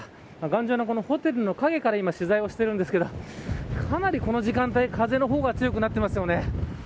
頑丈なホテルの影から取材をしているんですけれどかなり、この時間帯風の方が強くなっていますよね。